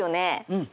うん。